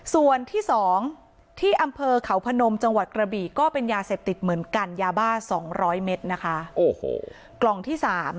ส่วนที่๒ที่อำเภอไขวพนมจังหวัดกระบี